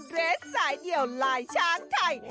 เรสสายเดี่ยวลายช้างไทย